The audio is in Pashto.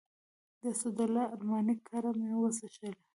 د اسدالله ارماني کره مې وڅښلې.